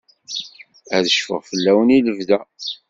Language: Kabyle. Ad cfuɣ fell-awen i lebda.